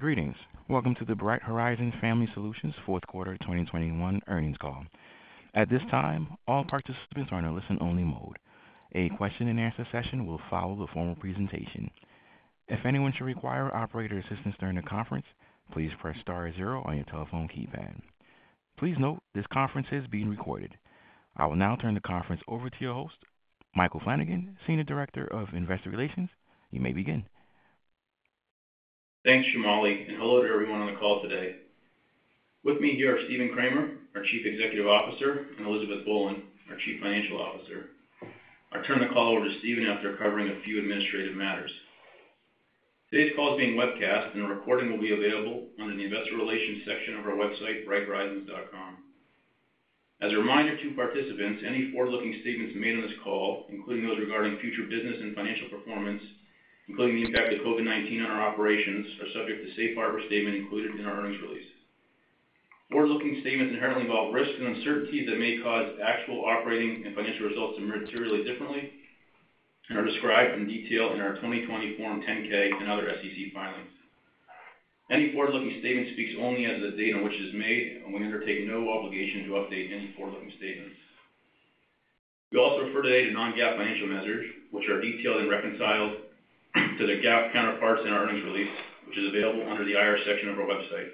Greetings. Welcome to the Bright Horizons Family Solutions fourth quarter 2021 earnings call. At this time, all participants are in a listen-only mode. A question-and-answer session will follow the formal presentation. If anyone should require operator assistance during the conference, please press star zero on your telephone keypad. Please note this conference is being recorded. I will now turn the conference over to your host, Michael Flanagan, Senior Director of Investor Relations. You may begin. Thanks, Shamali, and hello to everyone on the call today. With me here are Stephen Kramer, our Chief Executive Officer, and Elizabeth Boland, our Chief Financial Officer. I'll turn the call over to Stephen after covering a few administrative matters. Today's call is being webcast, and a recording will be available under the Investor Relations section of our website, brighthorizons.com. As a reminder to participants, any forward-looking statements made on this call, including those regarding future business and financial performance, including the impact of COVID-19 on our operations, are subject to the safe harbor statement included in our earnings release. Forward-looking statements inherently involve risks and uncertainties that may cause actual operating and financial results to differ materially and are described in detail in our 2020 Form 10-K and other SEC filings. Any forward-looking statement speaks only as of the date on which it is made, and we undertake no obligation to update any forward-looking statements. We also refer today to non-GAAP financial measures, which are detailed and reconciled to their GAAP counterparts in our earnings release, which is available under the IR section of our website.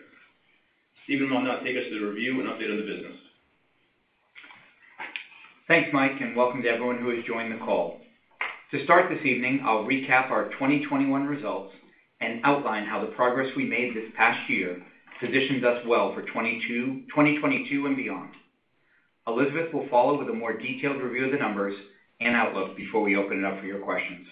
Stephen will now take us through the review and update of the business. Thanks, Mike, and welcome to everyone who has joined the call. To start this evening, I'll recap our 2021 results and outline how the progress we made this past year positions us well for 2022 and beyond. Elizabeth will follow with a more detailed review of the numbers and outlook before we open it up for your questions.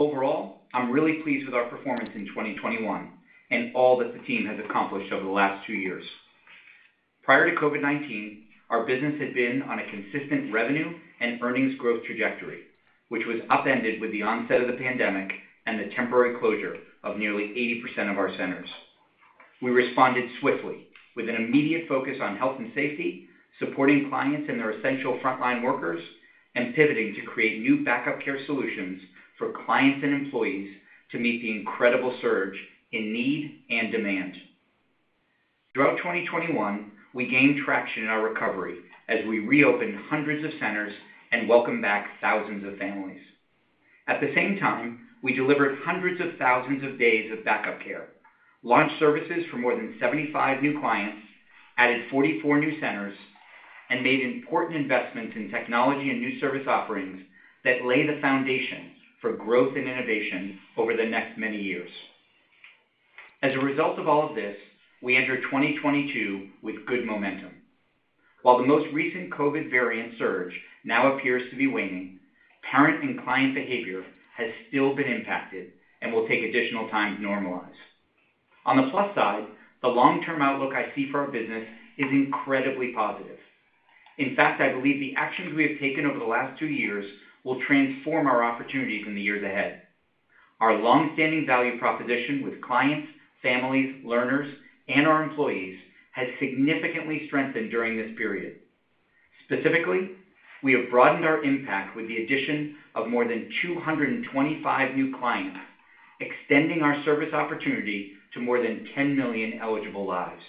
Overall, I'm really pleased with our performance in 2021 and all that the team has accomplished over the last two years. Prior to COVID-19, our business had been on a consistent revenue and earnings growth trajectory, which was upended with the onset of the pandemic and the temporary closure of nearly 80% of our centers. We responded swiftly with an immediate focus on health and safety, supporting clients and their essential frontline workers, and pivoting to create new Back-Up Care solutions for clients and employees to meet the incredible surge in need and demand. Throughout 2021, we gained traction in our recovery as we reopened hundreds of centers and welcomed back thousands of families. At the same time, we delivered hundreds of thousands of days of Back-Up Care, launched services for more than 75 new clients, added 44 new centers, and made important investments in technology and new service offerings that lay the foundation for growth and innovation over the next many years. As a result of all of this, we enter 2022 with good momentum. While the most recent COVID variant surge now appears to be waning, parent and client behavior has still been impacted and will take additional time to normalize. On the plus side, the long-term outlook I see for our business is incredibly positive. In fact, I believe the actions we have taken over the last two years will transform our opportunities in the years ahead. Our long-standing value proposition with clients, families, learners, and our employees has significantly strengthened during this period. Specifically, we have broadened our impact with the addition of more than 225 new clients, extending our service opportunity to more than 10 million eligible lives.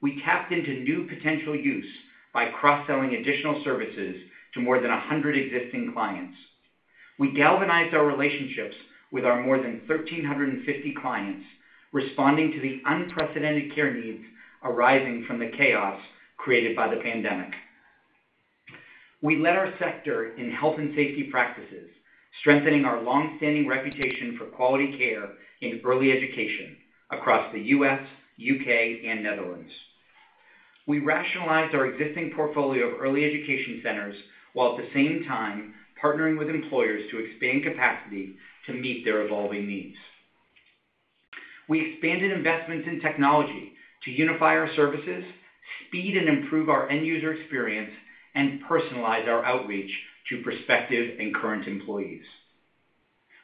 We tapped into new potential use by cross-selling additional services to more than 100 existing clients. We galvanized our relationships with our more than 1,350 clients, responding to the unprecedented care needs arising from the chaos created by the pandemic. We led our sector in health and safety practices, strengthening our long-standing reputation for quality care in early education across the U.S., U.K., and Netherlands. We rationalized our existing portfolio of early education centers, while at the same time partnering with employers to expand capacity to meet their evolving needs. We expanded investments in technology to unify our services, speed and improve our end-user experience, and personalize our outreach to prospective and current employees.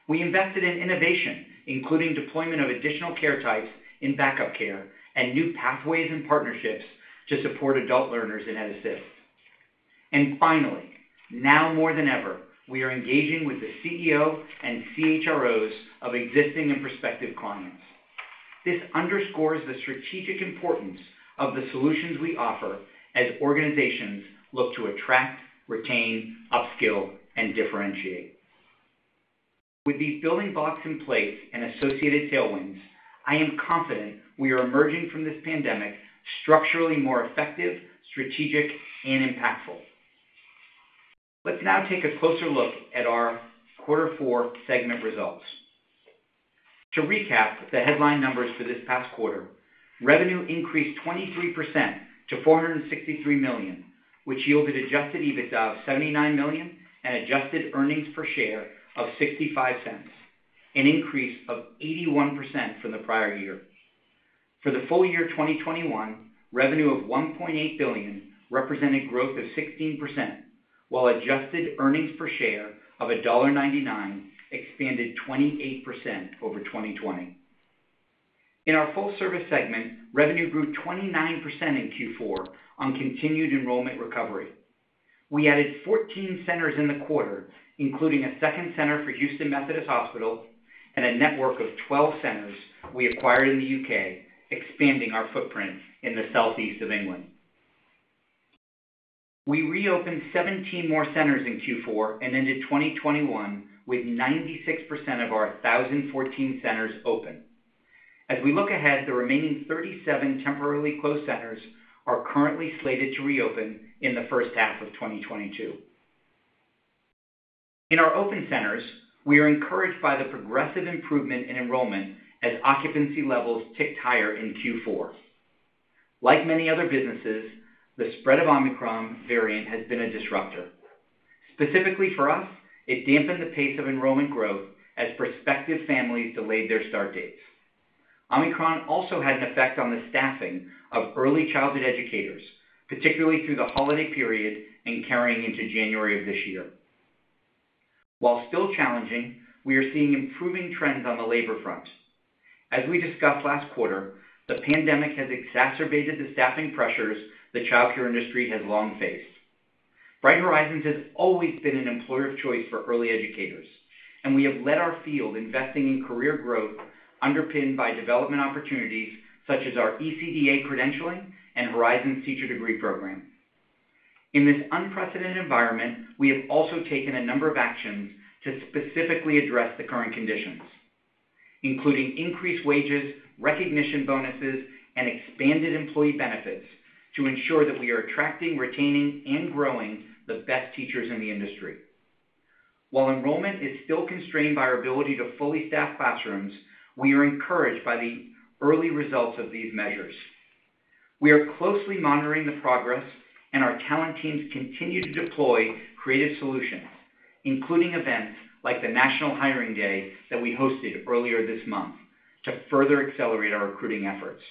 We invested in innovation, including deployment of additional care types in Back-Up Care and new pathways and partnerships to support adult learners in EdAssist. Finally, now more than ever, we are engaging with the CEO and CHROs of existing and prospective clients. This underscores the strategic importance of the solutions we offer as organizations look to attract, retain, upskill, and differentiate. With these building blocks in place and associated tailwinds, I am confident we are emerging from this pandemic structurally more effective, strategic, and impactful. Let's now take a closer look at our quarter four segment results. To recap the headline numbers for this past quarter, revenue increased 23% to $463 million, which yielded adjusted EBITDA of $79 million and adjusted earnings per share of $0.65, an increase of 81% from the prior year. For the full year 2021, revenue of $1.8 billion represented growth of 16%, while adjusted earnings per share of $1.99 expanded 28% over 2020. In our Full Service segment, revenue grew 29% in Q4 on continued enrollment recovery. We added 14 centers in the quarter, including a second center for Houston Methodist Hospital and a network of 12 centers we acquired in the U.K., expanding our footprint in the Southeast of England. We reopened 17 more centers in Q4 and ended 2021 with 96% of our 1,014 centers open. As we look ahead, the remaining 37 temporarily closed centers are currently slated to reopen in the first half of 2022. In our open centers, we are encouraged by the progressive improvement in enrollment as occupancy levels ticked higher in Q4. Like many other businesses, the spread of Omicron variant has been a disruptor. Specifically for us, it dampened the pace of enrollment growth as prospective families delayed their start dates. Omicron also had an effect on the staffing of early childhood educators, particularly through the holiday period and carrying into January of this year. While still challenging, we are seeing improving trends on the labor front. As we discussed last quarter, the pandemic has exacerbated the staffing pressures the child care industry has long faced. Bright Horizons has always been an employer of choice for early educators, and we have led our field investing in career growth underpinned by development opportunities such as our CDA credentialing and Horizons Teacher Degree Program. In this unprecedented environment, we have also taken a number of actions to specifically address the current conditions, including increased wages, recognition bonuses, and expanded employee benefits to ensure that we are attracting, retaining, and growing the best teachers in the industry. While enrollment is still constrained by our ability to fully staff classrooms, we are encouraged by the early results of these measures. We are closely monitoring the progress, and our talent teams continue to deploy creative solutions, including events like the National Hiring Day that we hosted earlier this month to further accelerate our recruiting efforts.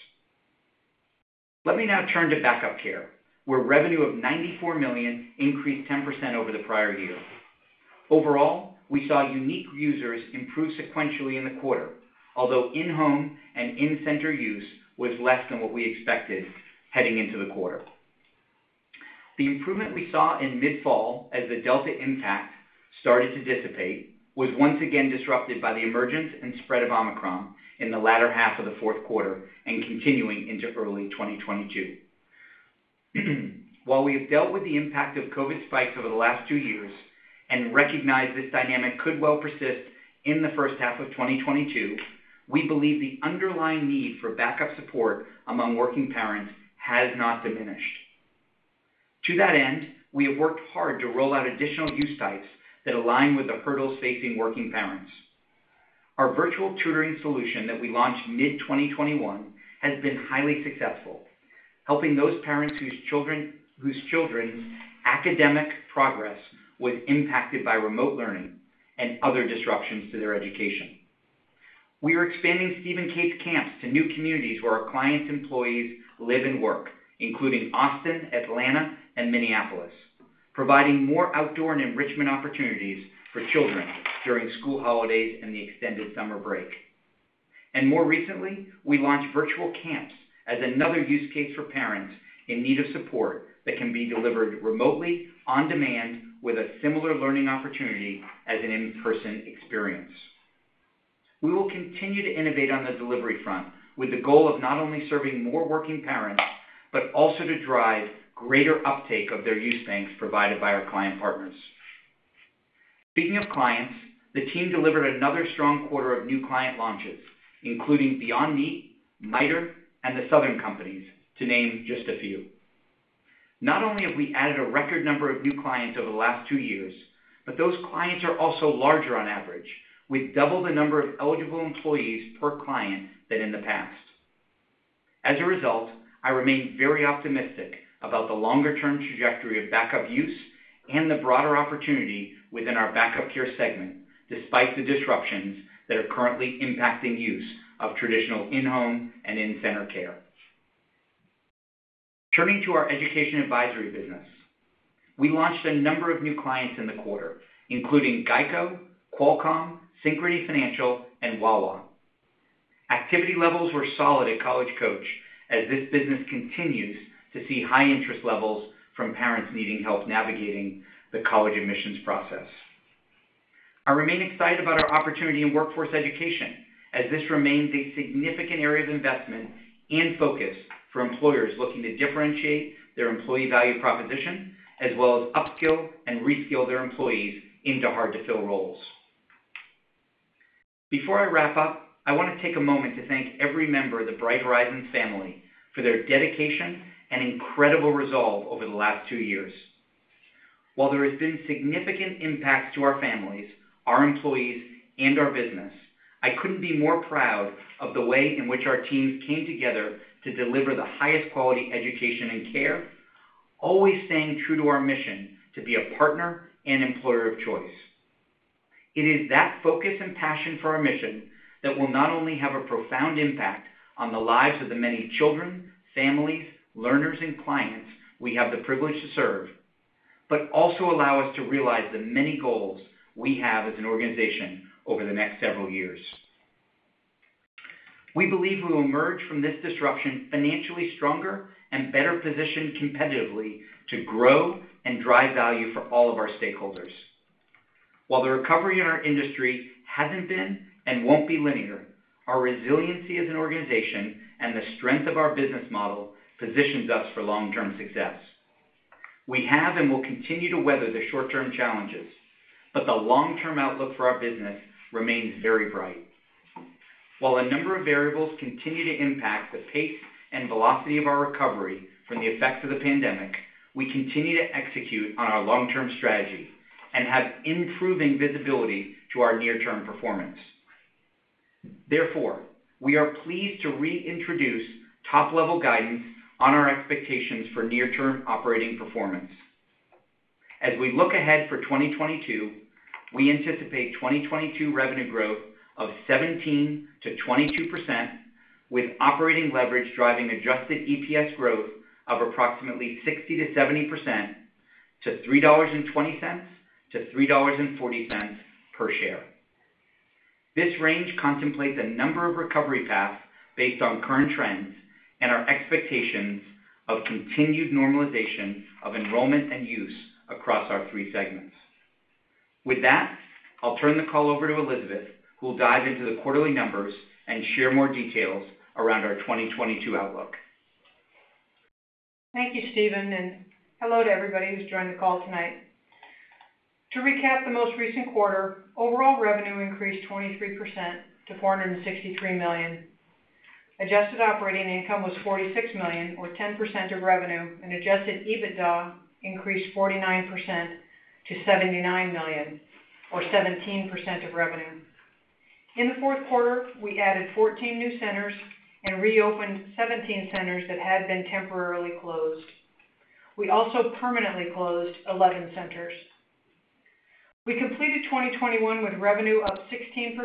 Let me now turn to Back-Up Care, where revenue of $94 million increased 10% over the prior year. Overall, we saw unique users improve sequentially in the quarter, although in-home and in-center use was less than what we expected heading into the quarter. The improvement we saw in mid-fall as the Delta impact started to dissipate was once again disrupted by the emergence and spread of Omicron in the latter half of the fourth quarter and continuing into early 2022. While we have dealt with the impact of COVID spikes over the last two years and recognize this dynamic could well persist in the first half of 2022, we believe the underlying need for backup support among working parents has not diminished. To that end, we have worked hard to roll out additional use types that align with the hurdles facing working parents. Our virtual tutoring solution that we launched mid-2021 has been highly successful, helping those parents whose children's academic progress was impacted by remote learning and other disruptions to their education. We are expanding Steve & Kate's camps to new communities where our clients' employees live and work, including Austin, Atlanta, and Minneapolis, providing more outdoor and enrichment opportunities for children during school holidays and the extended summer break. More recently, we launched virtual camps as another use case for parents in need of support that can be delivered remotely, on-demand, with a similar learning opportunity as an in-person experience. We will continue to innovate on the delivery front with the goal of not only serving more working parents, but also to drive greater uptake of their use banks provided by our client partners. Speaking of clients, the team delivered another strong quarter of new client launches, including Beyond Meat, MITRE, and Southern Company, to name just a few. Not only have we added a record number of new clients over the last two years, but those clients are also larger on average, with double the number of eligible employees per client than in the past. As a result, I remain very optimistic about the longer-term trajectory of backup use and the broader opportunity within our Back-Up Care segment, despite the disruptions that are currently impacting use of traditional in-home and in-center care. Turning to our Education Advisory business, we launched a number of new clients in the quarter, including GEICO, Qualcomm, Synchrony Financial, and Wawa. Activity levels were solid at College Coach, as this business continues to see high interest levels from parents needing help navigating the college admissions process. I remain excited about our opportunity in Workforce Education, as this remains a significant area of investment and focus for employers looking to differentiate their employee value proposition, as well as upskill and reskill their employees into hard-to-fill roles. Before I wrap up, I want to take a moment to thank every member of the Bright Horizons family for their dedication and incredible resolve over the last two years. While there has been significant impact to our families, our employees, and our business, I couldn't be more proud of the way in which our teams came together to deliver the highest quality education and care, always staying true to our mission to be a partner and employer of choice. It is that focus and passion for our mission that will not only have a profound impact on the lives of the many children, families, learners, and clients we have the privilege to serve, but also allow us to realize the many goals we have as an organization over the next several years. We believe we'll emerge from this disruption financially stronger and better positioned competitively to grow and drive value for all of our stakeholders. While the recovery in our industry hasn't been and won't be linear, our resiliency as an organization and the strength of our business model positions us for long-term success. We have and will continue to weather the short-term challenges, but the long-term outlook for our business remains very bright. While a number of variables continue to impact the pace and velocity of our recovery from the effects of the pandemic, we continue to execute on our long-term strategy and have improving visibility to our near-term performance. Therefore, we are pleased to reintroduce top-level guidance on our expectations for near-term operating performance. As we look ahead for 2022, we anticipate 2022 revenue growth of 17%-22%, with operating leverage driving adjusted EPS growth of approximately 60%-70% to $3.20-$3.40 per share. This range contemplates a number of recovery paths based on current trends and our expectations of continued normalization of enrollment and use across our three segments. With that, I'll turn the call over to Elizabeth, who will dive into the quarterly numbers and share more details around our 2022 outlook. Thank you, Stephen, and hello to everybody who's joined the call tonight. To recap the most recent quarter, overall revenue increased 23% to $463 million. Adjusted operating income was $46 million or 10% of revenue, and adjusted EBITDA increased 49% to $79 million or 17% of revenue. In the fourth quarter, we added 14 new centers and reopened 17 centers that had been temporarily closed. We also permanently closed 11 centers. We completed 2021 with revenue up 16%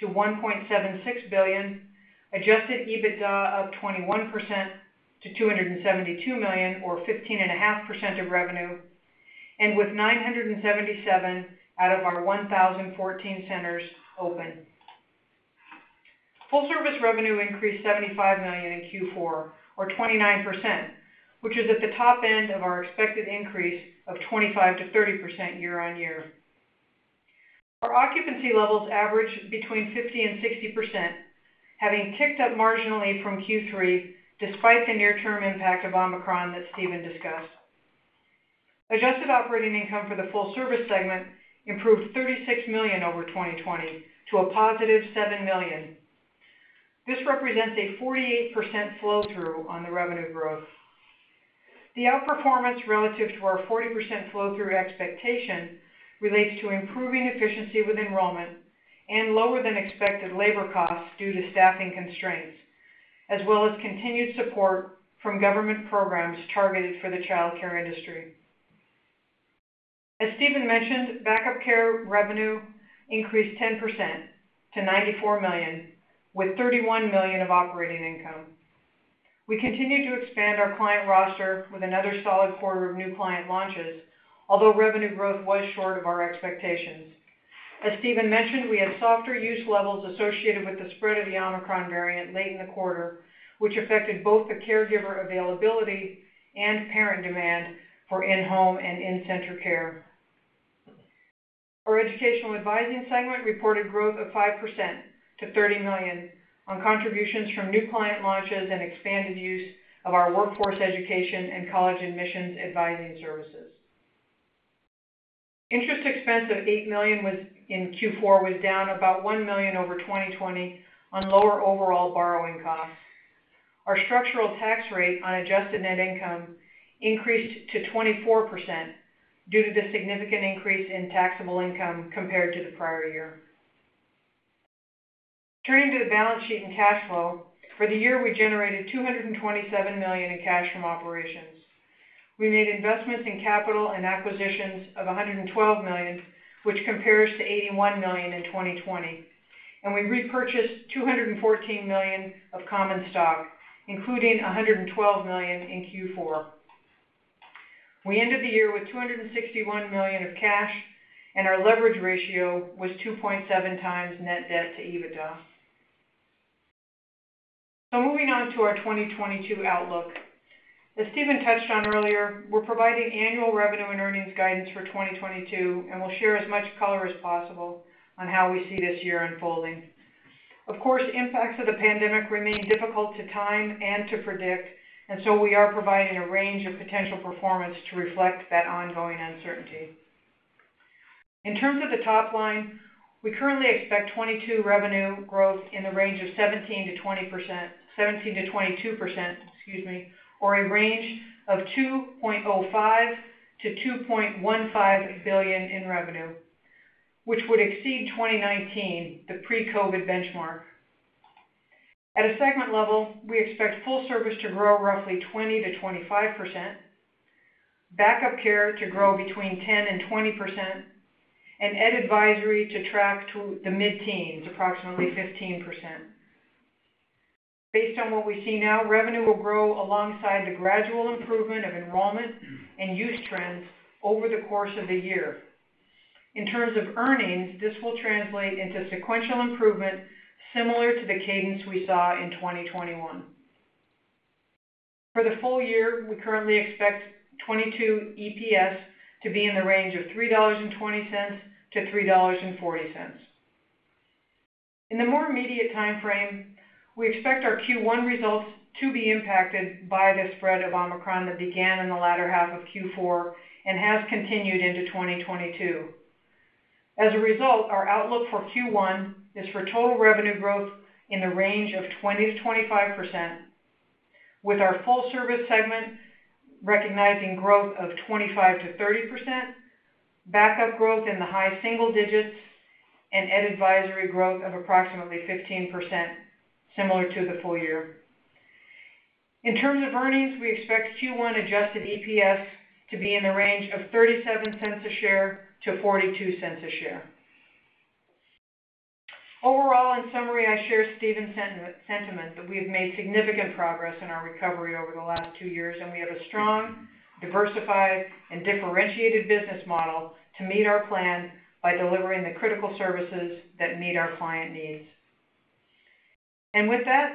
to $1.76 billion, adjusted EBITDA up 21% to $272 million or 15.5% of revenue, and with 977 out of our 1,014 centers open. Full Service revenue increased $75 million in Q4 or 29%, which is at the top end of our expected increase of 25%-30% year-on-year. Our occupancy levels averaged between 50%-60%, having ticked up marginally from Q3 despite the near-term impact of Omicron that Stephen discussed. Adjusted operating income for the Full Service segment improved $36 million over 2020 to a positive $7 million. This represents a 48% flow-through on the revenue growth. The outperformance relative to our 40% flow-through expectation relates to improving efficiency with enrollment and lower than expected labor costs due to staffing constraints, as well as continued support from government programs targeted for the child care industry. As Stephen mentioned, Back-Up Care revenue increased 10% to $94 million, with $31 million of operating income. We continued to expand our client roster with another solid quarter of new client launches, although revenue growth was short of our expectations. As Stephen mentioned, we had softer use levels associated with the spread of the Omicron variant late in the quarter, which affected both the caregiver availability and parent demand for in-home and in-center care. Our Education Advisory segment reported growth of 5% to $30 million on contributions from new client launches and expanded use of our Workforce Education and college admissions advising services. Interest expense of $8 million in Q4 was down about $1 million over 2020 on lower overall borrowing costs. Our structural tax rate on adjusted net income increased to 24% due to the significant increase in taxable income compared to the prior year. Turning to the balance sheet and cash flow, for the year, we generated $227 million in cash from operations. We made investments in capital and acquisitions of $112 million, which compares to $81 million in 2020. We repurchased $214 million of common stock, including $112 million in Q4. We ended the year with $261 million of cash, and our leverage ratio was 2.7x net debt to EBITDA. Moving on to our 2022 outlook. As Stephen touched on earlier, we're providing annual revenue and earnings guidance for 2022, and we'll share as much color as possible on how we see this year unfolding. Of course, impacts of the pandemic remain difficult to time and to predict, so we are providing a range of potential performance to reflect that ongoing uncertainty. In terms of the top line, we currently expect 2022 revenue growth in the range of 17%-22%, excuse me, or a range of $2.05-$2.15 billion in revenue, which would exceed 2019, the pre-COVID benchmark. At a segment level, we expect Full Service to grow roughly 20%-25%, Back-Up Care to grow between 10% and 20%, and Education Advisory to track to the mid-teens, approximately 15%. Based on what we see now, revenue will grow alongside the gradual improvement of enrollment and use trends over the course of the year. In terms of earnings, this will translate into sequential improvement similar to the cadence we saw in 2021. For the full year, we currently expect 2022 EPS to be in the range of $3.20-$3.40. In the more immediate time frame, we expect our Q1 results to be impacted by the spread of Omicron that began in the latter half of Q4 and has continued into 2022. As a result, our outlook for Q1 is for total revenue growth in the range of 20%-25%, with our Full Service segment recognizing growth of 25%-30%, backup growth in the high single digits, and Education Advisory growth of approximately 15%, similar to the full year. In terms of earnings, we expect Q1 adjusted EPS to be in the range of $0.37 a share to $0.42 a share. Overall, in summary, I share Stephen's sentiment, that we have made significant progress in our recovery over the last two years, and we have a strong, diversified, and differentiated business model to meet our plan by delivering the critical services that meet our client needs. With that,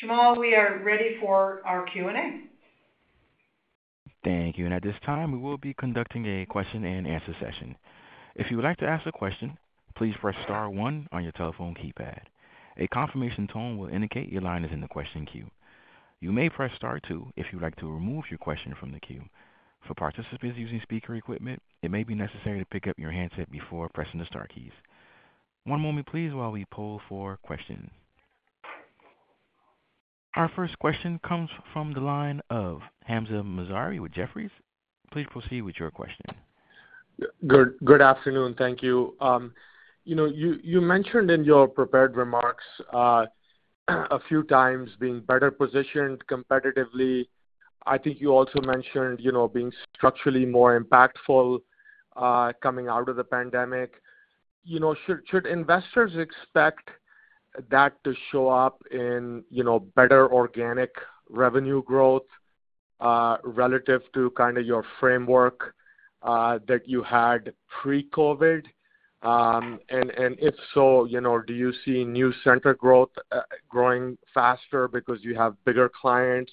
Shamali, we are ready for our Q&A. Thank you. At this time, we will be conducting a question-and-answer session. Our first question comes from the line of Hamzah Mazari with Jefferies. Please proceed with your question. Good afternoon. Thank you. You mentioned in your prepared remarks a few times being better positioned competitively. I think you also mentioned, you know, being structurally more impactful coming out of the pandemic. You know, should investors expect that to show up in, you know, better organic revenue growth relative to kinda your framework that you had pre-COVID? And if so, you know, do you see new center growth growing faster because you have bigger clients?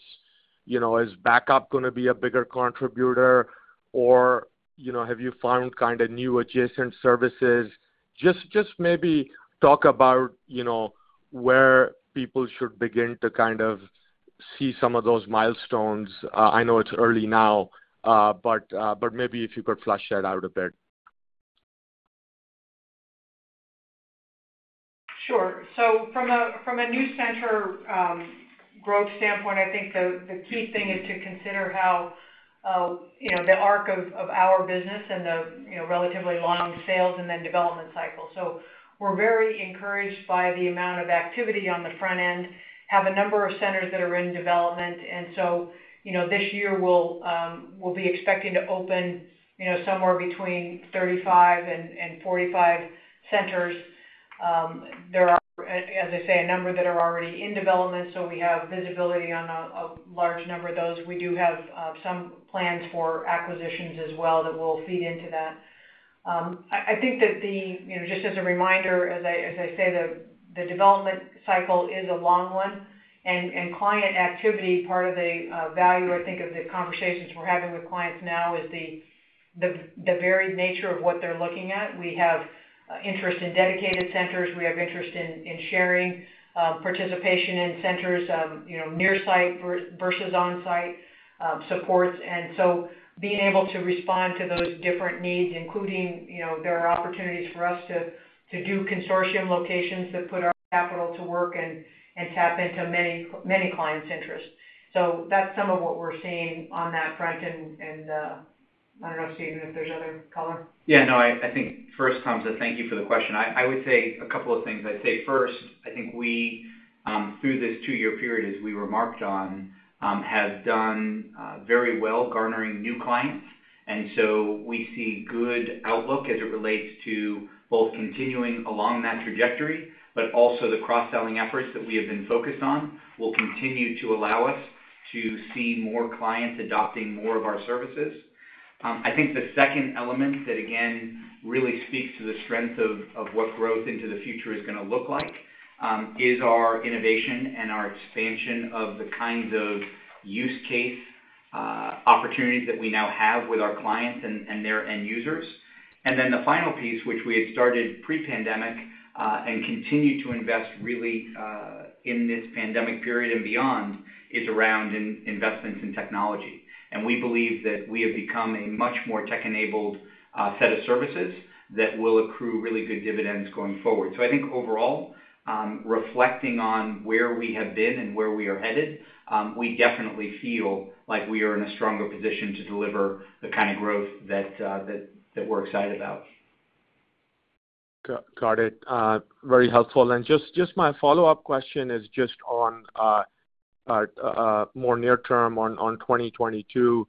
You know, is backup gonna be a bigger contributor or, you know, have you found kinda new adjacent services? Just maybe talk about, you know, where people should begin to kind of see some of those milestones. I know it's early now, but maybe if you could flesh that out a bit. Sure. From a new center growth standpoint, I think the key thing is to consider how you know the arc of our business and you know the relatively long sales and then development cycle. We're very encouraged by the amount of activity on the front end. We have a number of centers that are in development. You know, this year we'll be expecting to open you know somewhere between 35 and 45 centers. There are, as I say, a number that are already in development, so we have visibility on a large number of those. We do have some plans for acquisitions as well that will feed into that. I think that the... You know, just as a reminder, as I say, the development cycle is a long one, and client activity, part of the value, I think, of the conversations we're having with clients now is the very nature of what they're looking at. We have interest in dedicated centers. We have interest in sharing participation in centers, you know, near site versus on-site supports. Being able to respond to those different needs, including, you know, there are opportunities for us to do consortium locations that put our capital to work and tap into many clients' interests. So that's some of what we're seeing on that front. I don't know, Stephen, if there's other color. Yeah, no. I think first, Hamzah, thank you for the question. I would say a couple of things. I'd say first, I think we through this two-year period, as we remarked on, have done very well garnering new clients. We see good outlook as it relates to both continuing along that trajectory, but also the cross-selling efforts that we have been focused on will continue to allow us to see more clients adopting more of our services. I think the second element that, again, really speaks to the strength of what growth into the future is gonna look like is our innovation and our expansion of the kinds of use case opportunities that we now have with our clients and their end users. Then the final piece, which we had started pre-pandemic and continue to invest really in this pandemic period and beyond, is around investments in technology. We believe that we have become a much more tech-enabled set of services that will accrue really good dividends going forward. I think overall, reflecting on where we have been and where we are headed, we definitely feel like we are in a stronger position to deliver the kind of growth that we're excited about. Got it. Very helpful. Just my follow-up question is just on more near term on 2022.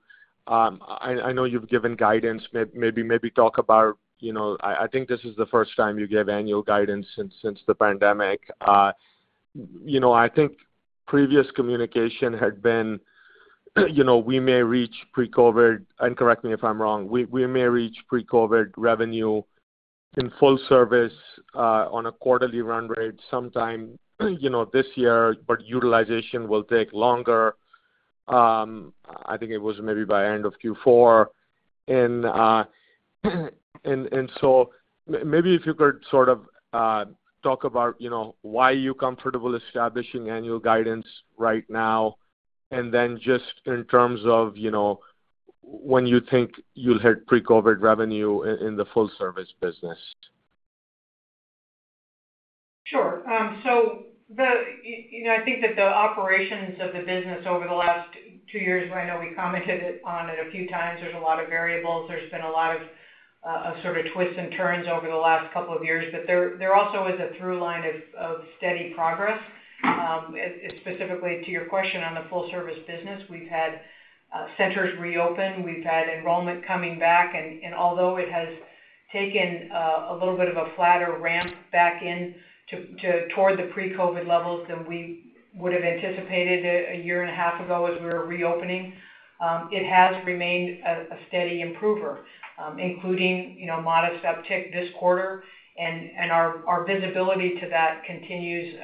I know you've given guidance, maybe talk about, you know, I think this is the first time you gave annual guidance since the pandemic. You know, I think previous communication had been, you know, we may reach pre-COVID, and correct me if I'm wrong. We may reach pre-COVID revenue in Full Service on a quarterly run rate sometime this year, but utilization will take longer. I think it was maybe by end of Q4. And so maybe if you could sort of talk about, you know, why are you comfortable establishing annual guidance right now? Just in terms of, you know, when you think you'll hit pre-COVID revenue in the Full Service business? Sure. You know, I think that the operations of the business over the last two years, and I know we commented on it a few times, there's a lot of variables. There's been a lot of sort of twists and turns over the last couple of years. There also is a through line of steady progress. Specifically to your question on the Full Service business, we've had centers reopen, we've had enrollment coming back. Although it has taken a little bit of a flatter ramp back in toward the pre-COVID levels than we would have anticipated a year and a half ago as we were reopening, it has remained a steady improver, including you know, modest uptick this quarter. Our visibility to that continues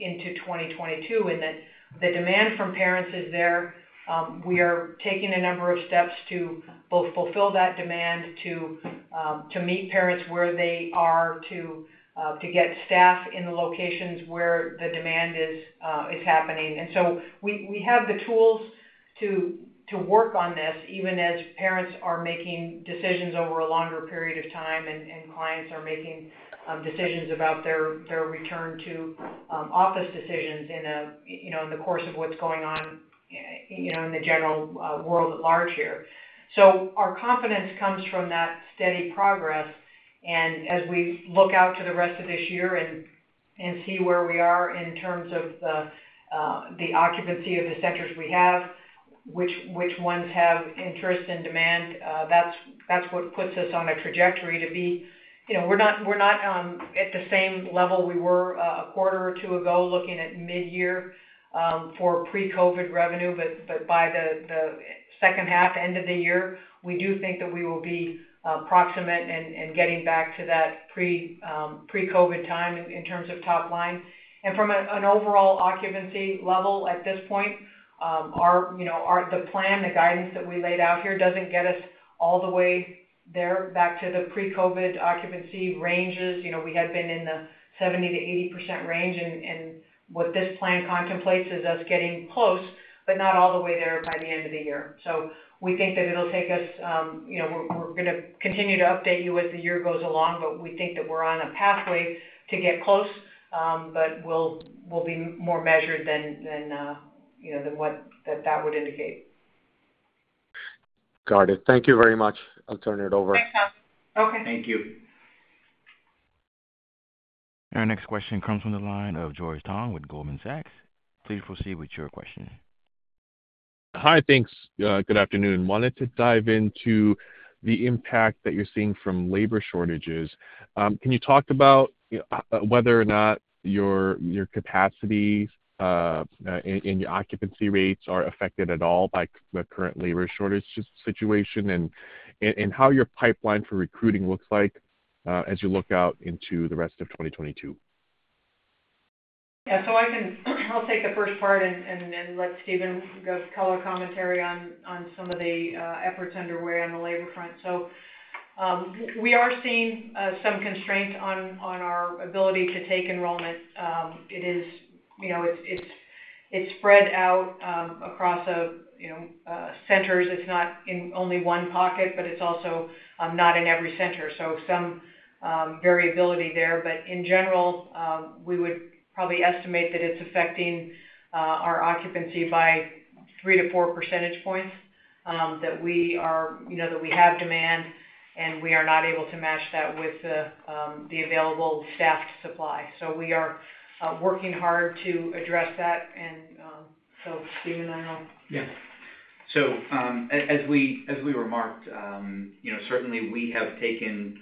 into 2022. The demand from parents is there. We are taking a number of steps to both fulfill that demand to meet parents where they are to get staff in the locations where the demand is happening. We have the tools to work on this even as parents are making decisions over a longer period of time and clients are making decisions about their return to office decisions in you know in the course of what's going on you know in the general world at large here. Our confidence comes from that steady progress. As we look out to the rest of this year and see where we are in terms of the occupancy of the centers we have, which ones have interest and demand, that's what puts us on a trajectory to be. You know, we're not at the same level we were a quarter or two ago, looking at mid-year, for pre-COVID revenue. By the second half, end of the year, we do think that we will be proximate and getting back to that pre-COVID time in terms of top line. From an overall occupancy level at this point, you know, the plan, the guidance that we laid out here doesn't get us all the way there back to the pre-COVID occupancy ranges. You know, we had been in the 70%-80% range. What this plan contemplates is us getting close, but not all the way there by the end of the year. We think that it'll take us. You know, we're gonna continue to update you as the year goes along, but we think that we're on a pathway to get close. We'll be more measured than you know, than what that would indicate. Got it. Thank you very much. I'll turn it over. Thanks, Hamza. Okay. Thank you. Our next question comes from the line of George Tong with Goldman Sachs. Please proceed with your question. Hi. Thanks. Good afternoon. Wanted to dive into the impact that you're seeing from labor shortages. Can you talk about whether or not your capacity and your occupancy rates are affected at all by the current labor shortage situation? How your pipeline for recruiting looks like as you look out into the rest of 2022? Yeah. I can take the first part and let Stephen go color commentary on some of the efforts underway on the labor front. We are seeing some constraint on our ability to take enrollment. It is, you know, it's spread out across centers. It's not in only one pocket, but it's also not in every center. Some variability there. In general, we would probably estimate that it's affecting our occupancy by 3%-4%, that we are, you know, that we have demand, and we are not able to match that with the available staffed supply. We are working hard to address that. Stephen, I don't know. Yeah. As we remarked, you know, certainly we have taken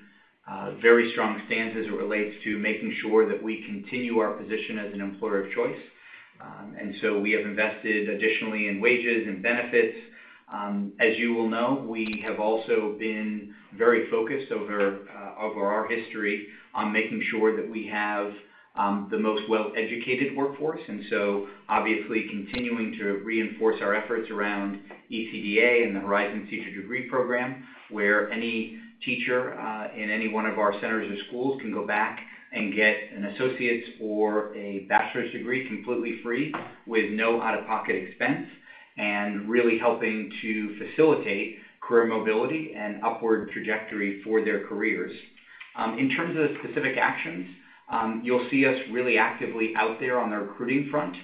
a very strong stance as it relates to making sure that we continue our position as an employer of choice. We have invested additionally in wages and benefits. As you will know, we have also been very focused over our history on making sure that we have the most well-educated workforce, obviously continuing to reinforce our efforts around CDA and the Horizons Teacher Degree Program, where any teacher in any one of our centers or schools can go back and get an associate's or a bachelor's degree completely free with no out-of-pocket expense, and really helping to facilitate career mobility and upward trajectory for their careers. In terms of specific actions, you'll see us really actively out there on the recruiting front.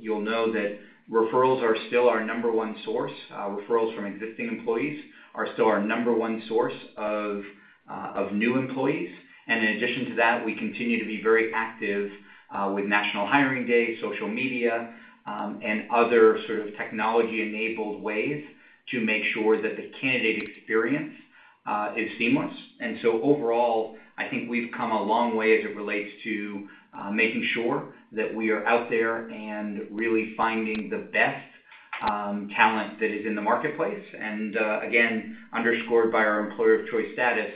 You'll know that referrals are still our number one source. Referrals from existing employees are still our number one source of new employees. In addition to that, we continue to be very active with National Hiring Day, social media, and other sort of technology-enabled ways to make sure that the candidate experience is seamless. Overall, I think we've come a long way as it relates to making sure that we are out there and really finding the best talent that is in the marketplace, and again, underscored by our employer of choice status,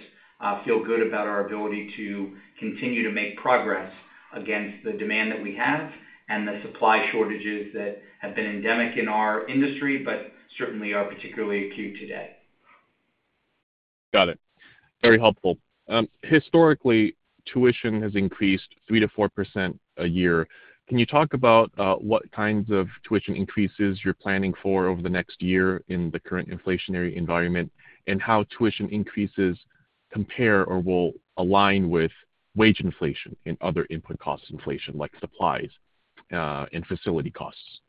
feel good about our ability to continue to make progress against the demand that we have and the supply shortages that have been endemic in our industry, but certainly are particularly acute today. Got it. Very helpful. Historically, tuition has increased 3%-4% a year. Can you talk about what kinds of tuition increases you're planning for over the next year in the current inflationary environment, and how tuition increases compare or will align with wage inflation and other input cost inflation, like supplies, and facility costs?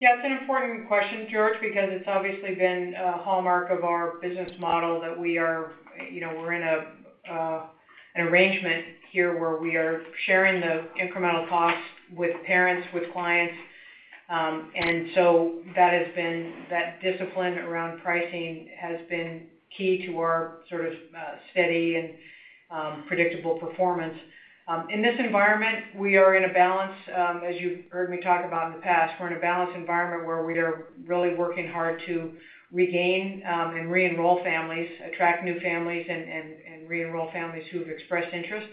Yeah, it's an important question, George, because it's obviously been a hallmark of our business model that we are, you know, in an arrangement here where we are sharing the incremental costs with parents, with clients. That discipline around pricing has been key to our sort of steady and predictable performance. In this environment, we are in a balance, as you've heard me talk about in the past, we're in a balanced environment where we are really working hard to regain and re-enroll families, attract new families and re-enroll families who've expressed interest.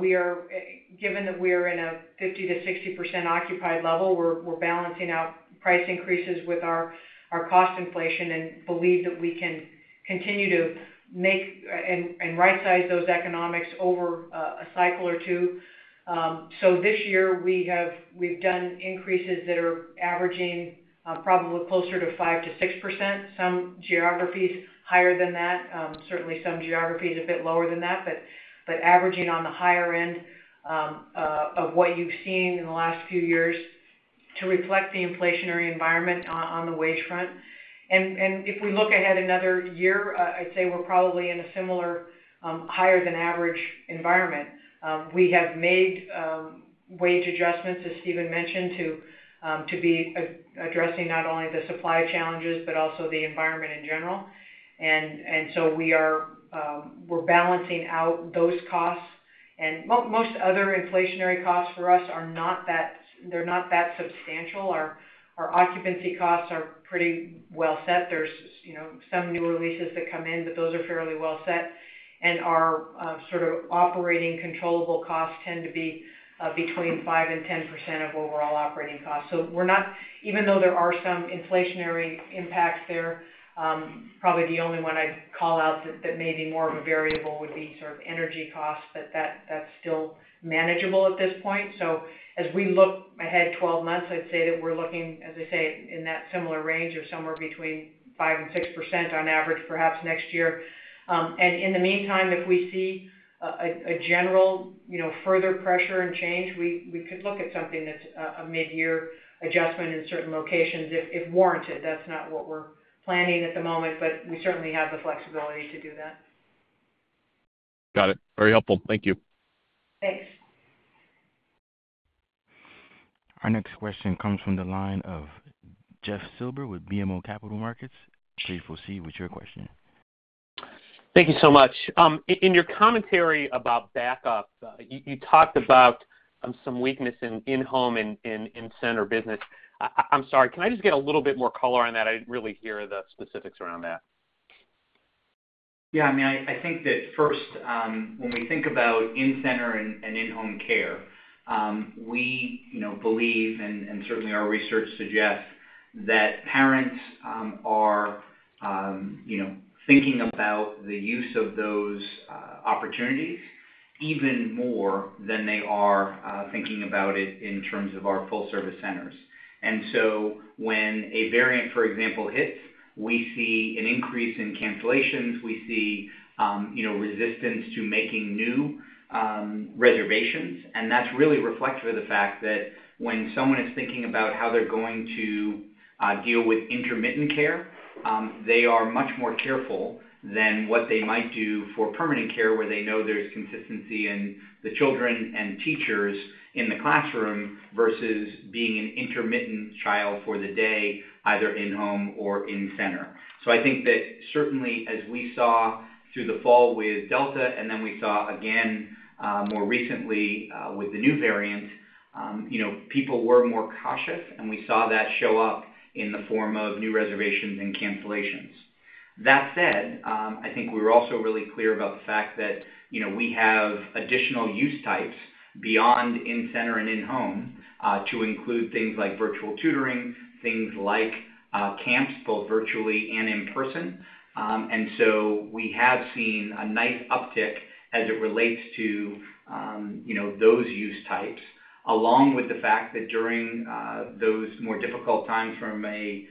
We are, given that we're in a 50%-60% occupied level, we're balancing out price increases with our cost inflation and believe that we can continue to make and right size those economics over a cycle or two. This year we've done increases that are averaging probably closer to 5%-6%, some geographies higher than that, certainly some geographies a bit lower than that, but averaging on the higher end of what you've seen in the last few years to reflect the inflationary environment on the wage front. If we look ahead another year, I'd say we're probably in a similar higher than average environment. We have made wage adjustments, as Stephen mentioned, to address not only the supply challenges, but also the environment in general. We are balancing out those costs. Most other inflationary costs for us are not that substantial. Our occupancy costs are pretty well set. There's, you know, some new releases that come in, but those are fairly well set. Our sort of operating controllable costs tend to be between 5%-10% of overall operating costs. We're not even though there are some inflationary impacts there, probably the only one I'd call out that may be more of a variable would be sort of energy costs, but that's still manageable at this point. As we look ahead 12 months, I'd say that we're looking, as I say, in that similar range of somewhere between 5%-6% on average, perhaps next year. In the meantime, if we see a general, you know, further pressure and change, we could look at something that's a mid-year adjustment in certain locations if warranted. That's not what we're planning at the moment, but we certainly have the flexibility to do that. Got it. Very helpful. Thank you. Thanks. Our next question comes from the line of Jeff Silber with BMO Capital Markets. Please proceed with your question. Thank you so much. In your commentary about backup, you talked about some weakness in in-home and in-center business. I'm sorry, can I just get a little bit more color on that? I didn't really hear the specifics around that. Yeah. I mean, I think that first, when we think about in-center and in-home care, we you know believe and certainly our research suggests that parents are you know thinking about the use of those opportunities even more than they are thinking about it in terms of our full service centers. When a variant, for example, hits, we see an increase in cancellations. We see you know resistance to making new reservations. That's really reflective of the fact that when someone is thinking about how they're going to deal with intermittent care, they are much more careful than what they might do for permanent care, where they know there's consistency in the children and teachers in the classroom versus being an intermittent child for the day, either in-home or in-center. I think that certainly as we saw through the fall with Delta, and then we saw again more recently with the new variant, you know, people were more cautious, and we saw that show up in the form of new reservations and cancellations. That said, I think we're also really clear about the fact that, you know, we have additional use types beyond in-center and in-home to include things like virtual tutoring, things like camps, both virtually and in person. We have seen a nice uptick as it relates to, you know, those use types, along with the fact that during those more difficult times from a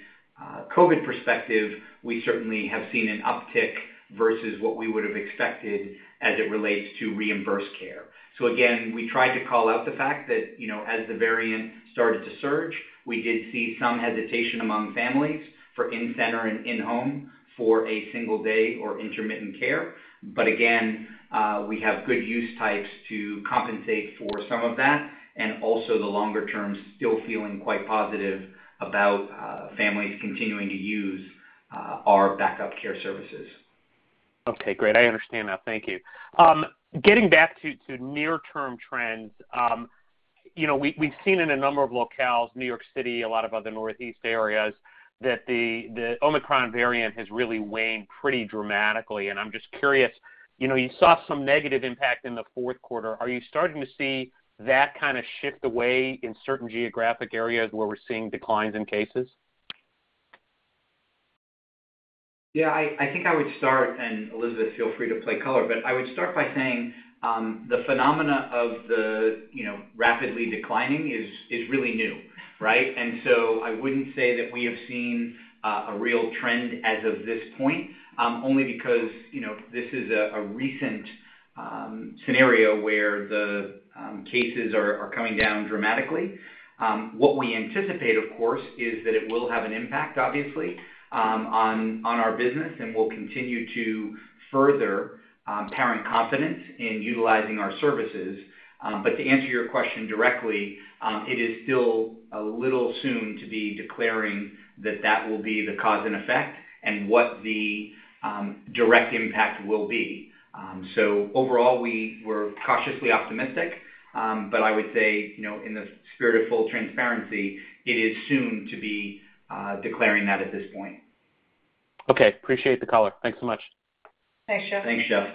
COVID perspective, we certainly have seen an uptick versus what we would have expected as it relates to reimbursed care. Again, we tried to call out the fact that, you know, as the variant started to surge, we did see some hesitation among families for in-center and in-home for a single day or intermittent care. Again, we have good use types to compensate for some of that, and also the longer term, still feeling quite positive about families continuing to use our Back-Up Care services. Okay, great. I understand that. Thank you. Getting back to near-term trends, you know, we've seen in a number of locales, New York City, a lot of other Northeast areas, that the Omicron variant has really waned pretty dramatically. I'm just curious, you know, you saw some negative impact in the fourth quarter. Are you starting to see that kind of shift away in certain geographic areas where we're seeing declines in cases? Yeah. I think I would start, and Elizabeth, feel free to add color, but I would start by saying the phenomenon of the you know rapidly declining is really new, right? I wouldn't say that we have seen a real trend as of this point only because this is a recent scenario where the cases are coming down dramatically. What we anticipate, of course, is that it will have an impact, obviously, on our business, and we'll continue to further parent confidence in utilizing our services. To answer your question directly, it is still a little soon to be declaring that that will be the cause and effect and what the direct impact will be. Overall, we're cautiously optimistic. I would say, you know, in the spirit of full transparency, it is soon to be declaring that at this point. Okay. Appreciate the color. Thanks so much. Thanks, Jeff. Thanks, Jeff.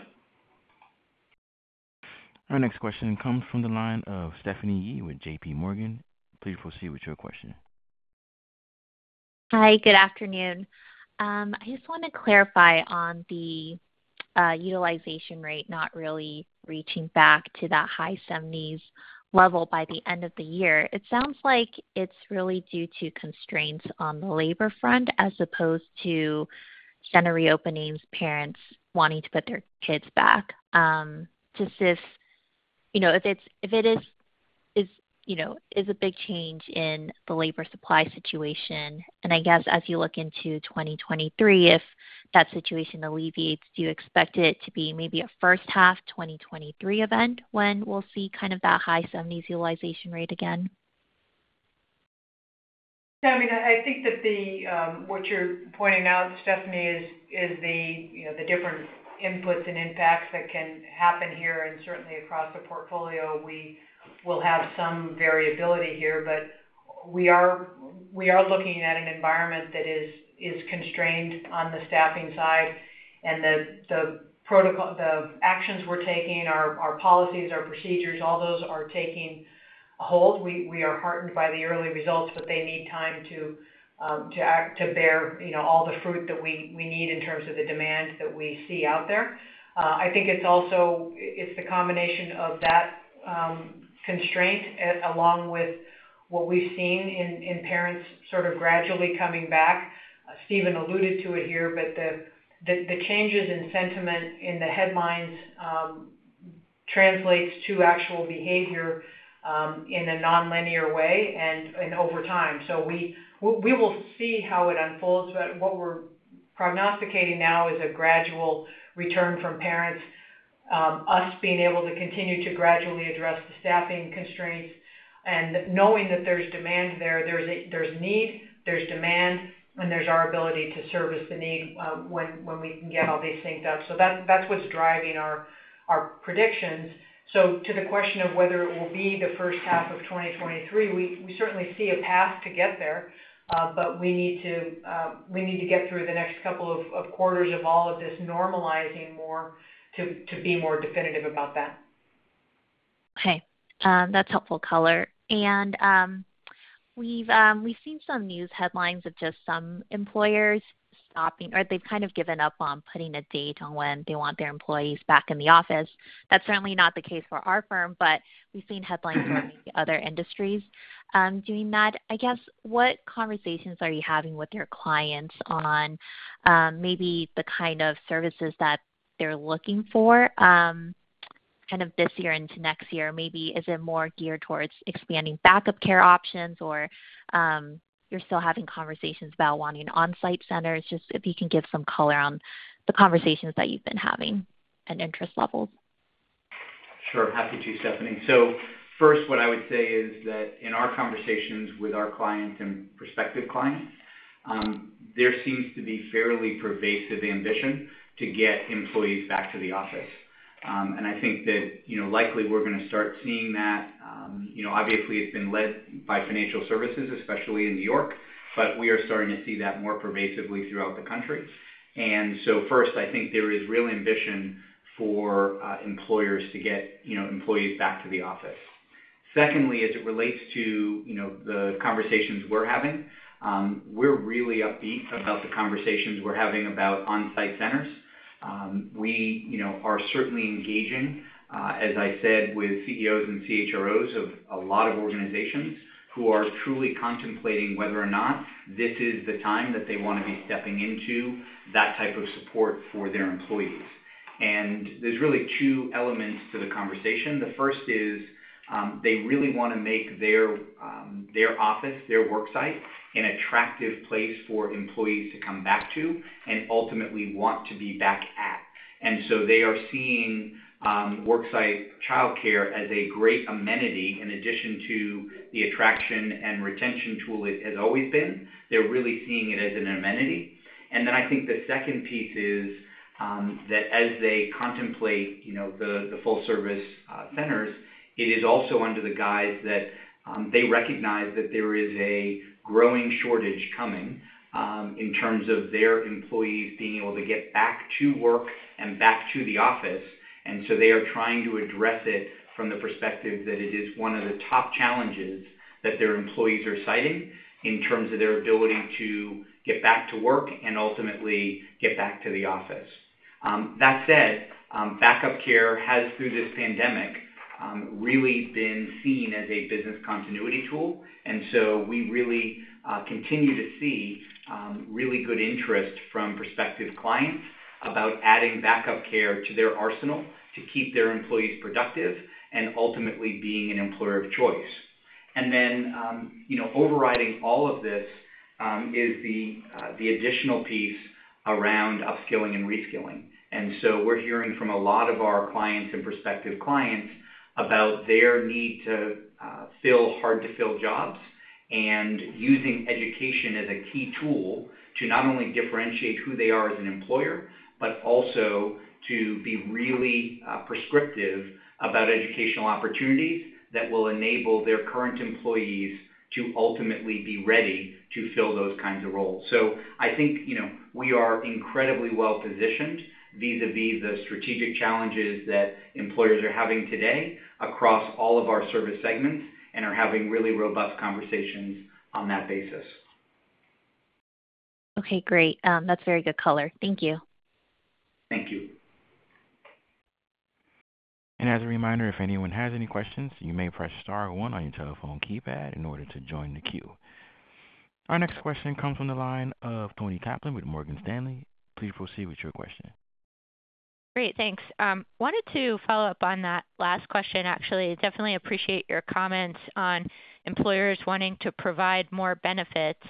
Our next question comes from the line of Stephanie Moore with JPMorgan, please proceed with your question. Hi, good afternoon. I just wanna clarify on the utilization rate not really reaching back to that high 70s level by the end of the year. It sounds like it's really due to constraints on the labor front as opposed to center reopenings, parents wanting to put their kids back. You know, if it is a big change in the labor supply situation, and I guess as you look into 2023, if that situation alleviates, do you expect it to be maybe a first half 2023 event when we'll see kind of that high 70s utilization rate again? I mean, I think that what you're pointing out, Stephanie, is the different inputs and impacts that can happen here. Certainly across the portfolio, we will have some variability here, but we are looking at an environment that is constrained on the staffing side. The protocol, the actions we're taking, our policies, our procedures, all those are taking hold. We are heartened by the early results, but they need time to bear all the fruit that we need in terms of the demand that we see out there. I think it's also the combination of that constraint along with what we've seen in parents sort of gradually coming back. Stephen alluded to it here, but the changes in sentiment in the headlines translates to actual behavior in a nonlinear way and over time. We will see how it unfolds, but what we're prognosticating now is a gradual return from parents us being able to continue to gradually address the staffing constraints and knowing that there's demand there. There's need, there's demand, and there's our ability to service the need when we can get all these synced up. That's what's driving our predictions. To the question of whether it will be the first half of 2023, we certainly see a path to get there, but we need to get through the next couple of quarters of all of this normalizing more to be more definitive about that. Okay. That's helpful color. We've seen some news headlines of just some employers stopping, or they've kind of given up on putting a date on when they want their employees back in the office. That's certainly not the case for our firm, but we've seen headlines from other industries doing that. I guess what conversations are you having with your clients on maybe the kind of services that they're looking for kind of this year into next year? Maybe is it more geared towards expanding Back-Up Care options or you're still having conversations about wanting on-site centers? Just if you can give some color on the conversations that you've been having and interest levels. Sure. Happy to, Stephanie. First, what I would say is that in our conversations with our clients and prospective clients, there seems to be fairly pervasive ambition to get employees back to the office. I think that, you know, likely we're gonna start seeing that. You know, obviously, it's been led by financial services, especially in New York, but we are starting to see that more pervasively throughout the country. First, I think there is real ambition for employers to get, you know, employees back to the office. Secondly, as it relates to, you know, the conversations we're having, we're really upbeat about the conversations we're having about on-site centers. We, you know, are certainly engaging, as I said, with CEOs and CHROs of a lot of organizations who are truly contemplating whether or not this is the time that they wanna be stepping into that type of support for their employees. There's really two elements to the conversation. The first is, they really wanna make their office, their work site an attractive place for employees to come back to and ultimately want to be back at. They are seeing worksite childcare as a great amenity in addition to the attraction and retention tool it has always been. They're really seeing it as an amenity. I think the second piece is that as they contemplate, you know, the full service centers, it is also under the guise that they recognize that there is a growing shortage coming in terms of their employees being able to get back to work and back to the office. They are trying to address it from the perspective that it is one of the top challenges that their employees are citing in terms of their ability to get back to work and ultimately get back to the office. That said, Back-Up Care has, through this pandemic, really been seen as a business continuity tool, and so we really continue to see really good interest from prospective clients about adding Back-Up Care to their arsenal to keep their employees productive and ultimately being an employer of choice. Overriding all of this is the additional piece around upskilling and reskilling. We're hearing from a lot of our clients and prospective clients about their need to fill hard-to-fill jobs and using education as a key tool to not only differentiate who they are as an employer, but also to be really prescriptive about educational opportunities that will enable their current employees to ultimately be ready to fill those kinds of roles. I think, you know, we are incredibly well positioned vis-à-vis the strategic challenges that employers are having today across all of our service segments and are having really robust conversations on that basis. Okay, great. That's very good color. Thank you. Thank you. As a reminder, if anyone has any questions, you may press star one on your telephone keypad in order to join the queue. Our next question comes from the line of Toni Kaplan with Morgan Stanley. Please proceed with your question. Great, thanks. Wanted to follow up on that last question, actually. Definitely appreciate your comments on employers wanting to provide more benefits.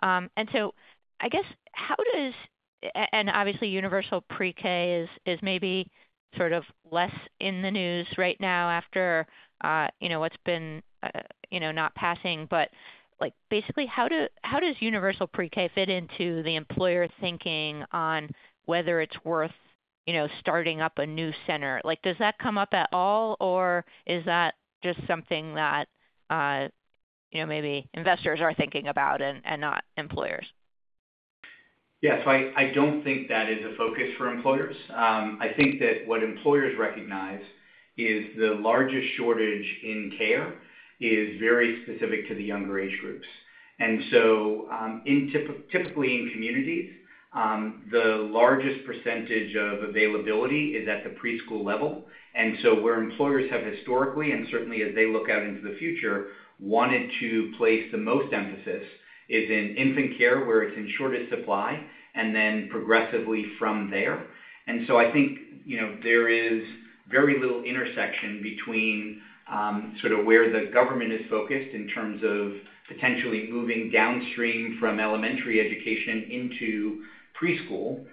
And so I guess, and obviously Universal Pre-K is maybe sort of less in the news right now after you know what's been you know not passing. Like, basically how does Universal Pre-K fit into the employer thinking on whether it's worth you know starting up a new center? Like, does that come up at all, or is that just something that you know maybe investors are thinking about and not employers? Yes. I don't think that is a focus for employers. I think that what employers recognize is the largest shortage in care is very specific to the younger age groups. Typically in communities, the largest percentage of availability is at the preschool level. Where employers have historically, and certainly as they look out into the future, wanted to place the most emphasis is in infant care, where it's in shortest supply, and then progressively from there. I think, you know, there is very little intersection between sort of where the government is focused in terms of potentially moving downstream from elementary education into preschool,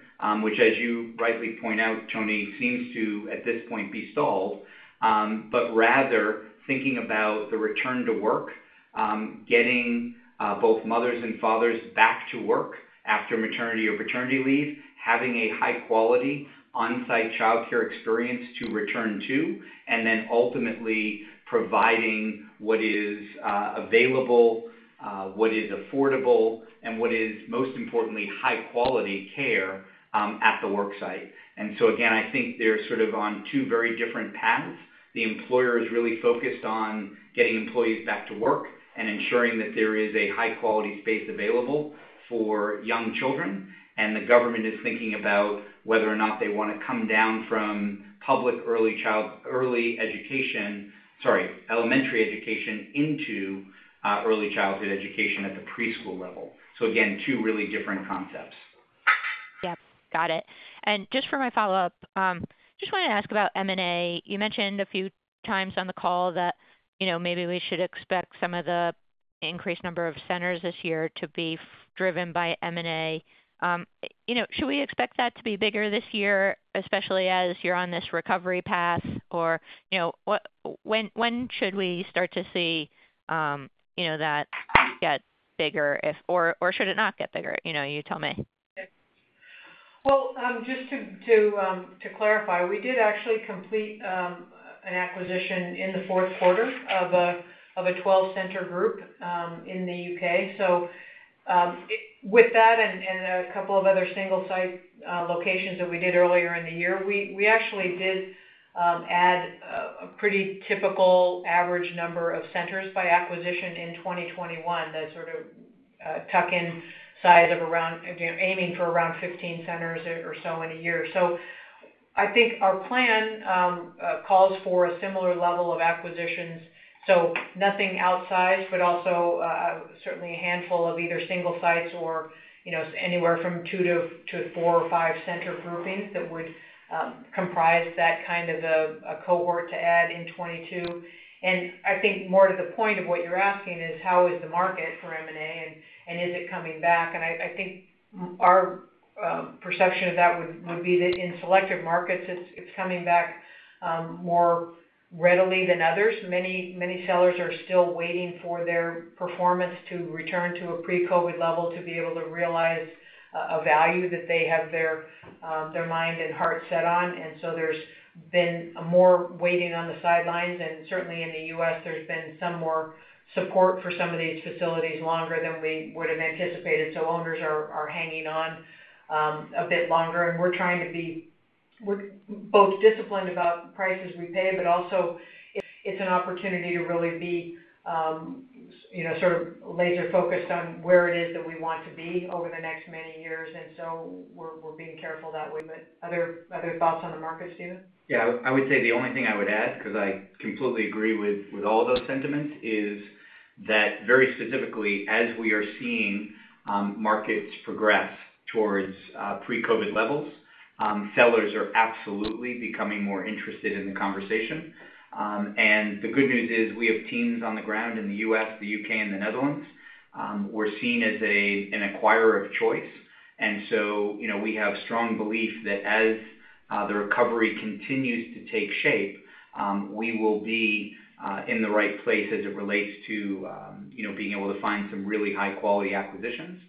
which as you rightly point out, Toni, seems to, at this point, be stalled. Rather thinking about the return to work, getting both mothers and fathers back to work after maternity or paternity leave, having a high-quality on-site childcare experience to return to, and then ultimately providing what is available, what is affordable, and what is, most importantly, high-quality care at the work site. I think they're sort of on two very different paths. The employer is really focused on getting employees back to work and ensuring that there is a high-quality space available for young children, and the government is thinking about whether or not they wanna come down from public elementary education into early childhood education at the preschool level. Two really different concepts. Yep, got it. Just for my follow-up, just wanted to ask about M&A. You mentioned a few times on the call that, you know, maybe we should expect some of the increased number of centers this year to be driven by M&A. You know, should we expect that to be bigger this year, especially as you're on this recovery path? Or, you know, when should we start to see, you know, that get bigger if or should it not get bigger? You know, you tell me. Well, just to clarify, we did actually complete an acquisition in the fourth quarter of a 12-center group in the U.K.. With that and a couple of other single site locations that we did earlier in the year, we actually did add a pretty typical average number of centers by acquisition in 2021 that sort of tuck in size of around, you know, aiming for around 15 centers or so in a year. I think our plan calls for a similar level of acquisitions, so nothing outsized, but also certainly a handful of either single sites or, you know, anywhere from 2-4 or 5 center groupings that would comprise that kind of a cohort to add in 2022. I think more to the point of what you're asking is how is the market for M&A and is it coming back? I think our perception of that would be that in selective markets, it's coming back more readily than others. Many sellers are still waiting for their performance to return to a pre-COVID level to be able to realize a value that they have their mind and heart set on. There's been more waiting on the sidelines. Certainly in the U.S., there's been some more support for some of these facilities longer than we would have anticipated. Owners are hanging on a bit longer. We're both disciplined about the prices we pay, but also it's an opportunity to really be, you know, sort of laser-focused on where it is that we want to be over the next many years. We're being careful that way. Other thoughts on the market, Stephen? Yeah. I would say the only thing I would add, 'cause I completely agree with all of those sentiments, is that very specifically, as we are seeing, markets progress towards pre-COVID levels, sellers are absolutely becoming more interested in the conversation. The good news is we have teams on the ground in the U.S., the U.K., and the Netherlands. We're seen as an acquirer of choice. You know, we have strong belief that as the recovery continues to take shape, we will be in the right place as it relates to, you know, being able to find some really high-quality acquisitions.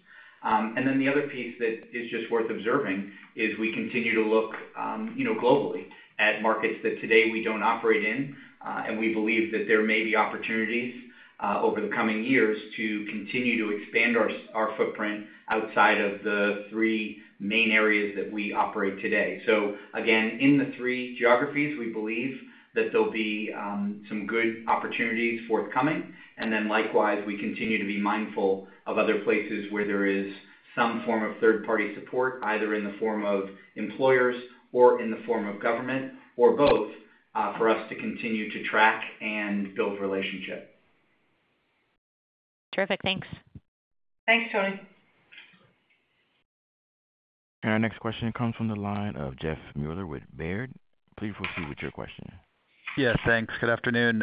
The other piece that is just worth observing is we continue to look, you know, globally at markets that today we don't operate in. We believe that there may be opportunities over the coming years to continue to expand our footprint outside of the three main areas that we operate today. Again, in the three geographies, we believe that there'll be some good opportunities forthcoming. Then likewise, we continue to be mindful of other places where there is some form of third-party support, either in the form of employers or in the form of government or both, for us to continue to track and build relationship. Terrific. Thanks. Thanks, Toni. Our next question comes from the line of Jeffrey Meuler with Baird. Please proceed with your question. Yeah. Thanks. Good afternoon.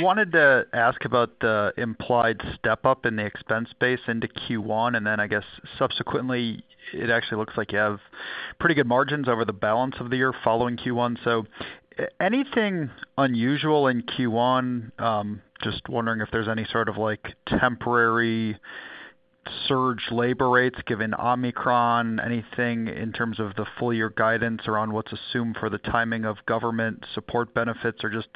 Wanted to ask about the implied step-up in the expense base into Q1, and then I guess subsequently, it actually looks like you have pretty good margins over the balance of the year following Q1. So anything unusual in Q1? Just wondering if there's any sort of like temporary surge labor rates given Omicron, anything in terms of the full year guidance around what's assumed for the timing of government support benefits or just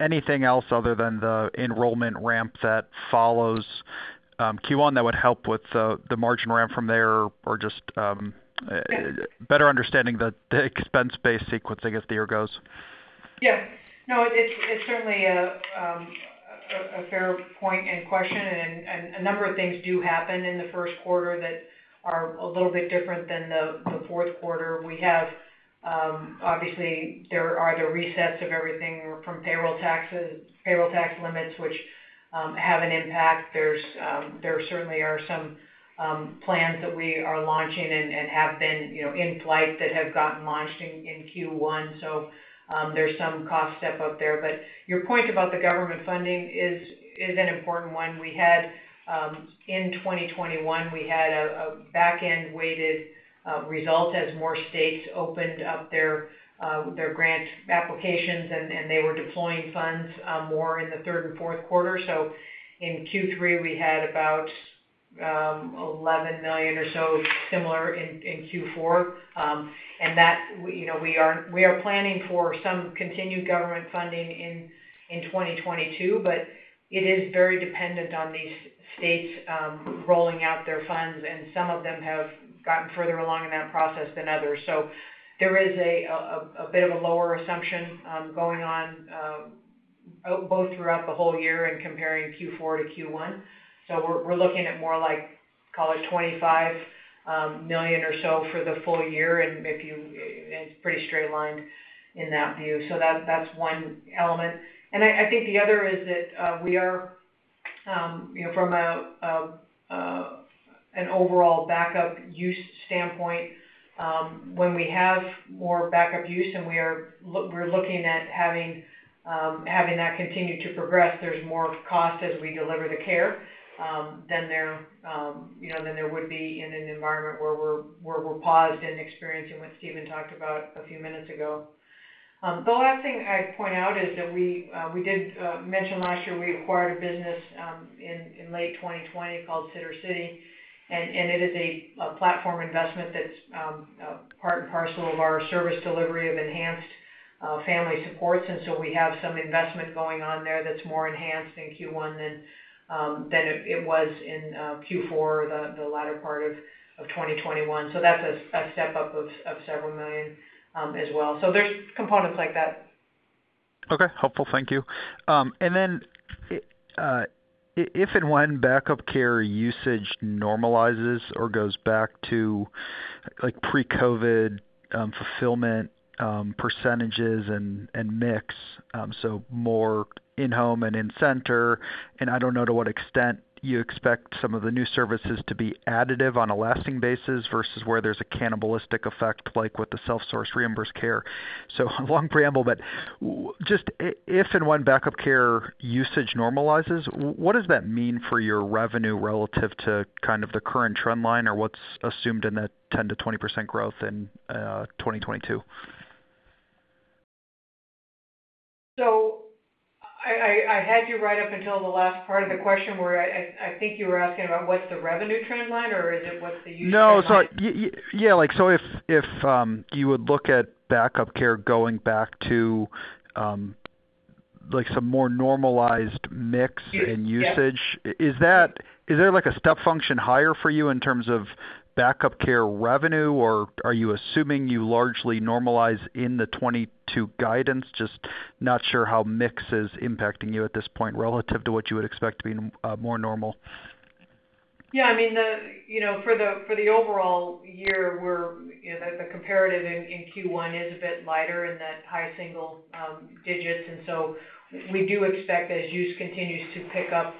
anything else other than the enrollment ramp that follows Q1 that would help with the margin ramp from there or just better understanding the expense base sequencing as the year goes. No, it's certainly a fair point and question. A number of things do happen in the first quarter that are a little bit different than the fourth quarter. We have obviously there are the resets of everything from payroll taxes, payroll tax limits, which have an impact. There certainly are some plans that we are launching and have been you know in flight that have gotten launched in Q1. There's some cost step-up there. Your point about the government funding is an important one. We had in 2021 we had a back-end-weighted result as more states opened up their grant applications, and they were deploying funds more in the third and fourth quarter. In Q3, we had about $11 million or so, similar in Q4. That, you know, we are planning for some continued government funding in 2022, but it is very dependent on these states rolling out their funds, and some of them have gotten further along in that process than others. There is a bit of a lower assumption going on both throughout the whole year and comparing Q4-Q1. We're looking at more like, call it $25 million or so for the full year. And it's pretty straight-lined in that view. That's one element. I think the other is that we are you know from an overall backup use standpoint when we have more backup use and we're looking at having that continue to progress there's more cost as we deliver the care than there would be in an environment where we're paused and experiencing what Stephen talked about a few minutes ago. The last thing I'd point out is that we did mention last year we acquired a business in late 2020 called Sittercity and it is a platform investment that's part and parcel of our service delivery of enhanced family supports. We have some investment going on there that's more enhanced in Q1 than it was in Q4, the latter part of 2021. That's a step-up of several million as well. There's components like that. Okay. Helpful. Thank you. If and when Back-Up Care usage normalizes or goes back to, like, pre-COVID fulfillment percentages and mix, so more in-home and in-center, and I don't know to what extent you expect some of the new services to be additive on a lasting basis versus where there's a cannibalistic effect, like with the self-source reimbursed care. Long preamble, but if and when Back-Up Care usage normalizes, what does that mean for your revenue relative to kind of the current trend line or what's assumed in that 10%-20% growth in 2022? I had you right up until the last part of the question where I think you were asking about what's the revenue trend line or is it what's the usage trend line? No. Yeah, like, if you would look at Back-Up Care going back to, like some more normalized mix and usage. Yes. Is there like a step function higher for you in terms of Back-Up Care revenue, or are you assuming you largely normalize in the 2022 guidance? Just not sure how mix is impacting you at this point relative to what you would expect to be more normal. Yeah, I mean, you know, for the overall year, the comparative in Q1 is a bit lighter in that high single digits. We do expect as use continues to pick up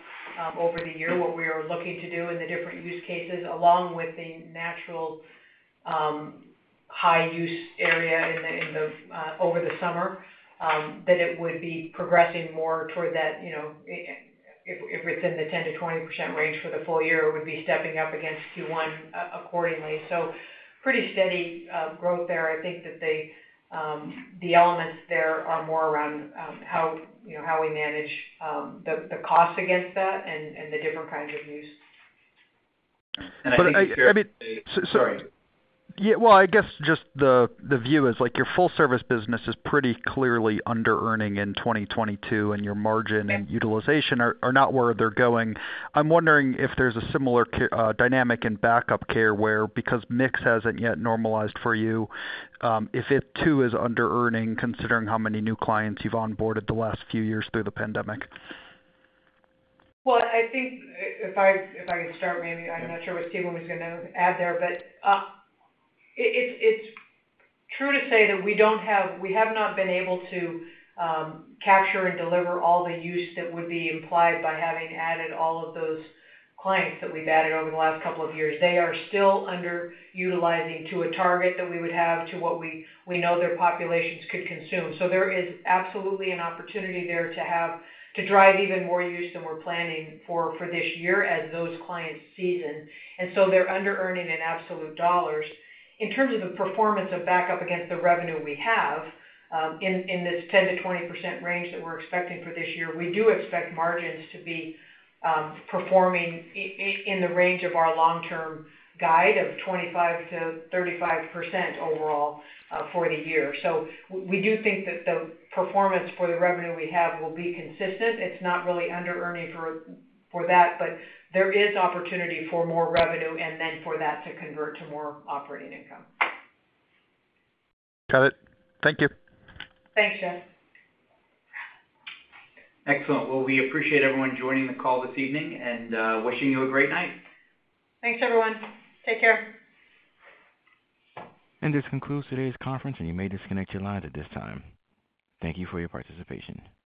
over the year, what we are looking to do in the different use cases, along with the natural high use area over the summer, that it would be progressing more toward that, you know, if it's in the 10%-20% range for the full year, it would be stepping up against Q1 accordingly. Pretty steady growth there. I think that the elements there are more around how, you know, how we manage the cost against that and the different kinds of use. I think if you're I mean, so Sorry. Yeah. Well, I guess just the view is like your Full Service business is pretty clearly under-earning in 2022, and your margin- Yes. utilization are not where they're going. I'm wondering if there's a similar dynamic in Back-Up Care where because mix hasn't yet normalized for you, if it too is under-earning, considering how many new clients you've onboarded the last few years through the pandemic. Well, I think if I could start, Jeff Silber. Yeah. I'm not sure what Stephen was gonna add there, but it is true to say that we have not been able to capture and deliver all the use that would be implied by having added all of those clients that we've added over the last couple of years. They are still underutilizing to a target that we would have to what we know their populations could consume. So there is absolutely an opportunity there to have to drive even more use than we're planning for this year as those clients season. So they're under-earning in absolute dollars. In terms of the performance of backup against the revenue we have, in this 10%-20% range that we're expecting for this year, we do expect margins to be performing in the range of our long-term guide of 25%-35% overall for the year. We do think that the performance for the revenue we have will be consistent. It's not really under-earning for that, but there is opportunity for more revenue and then for that to convert to more operating income. Got it. Thank you. Thanks, Jeff. Excellent. Well, we appreciate everyone joining the call this evening, and wishing you a great night. Thanks, everyone. Take care. This concludes today's conference, and you may disconnect your lines at this time. Thank you for your participation.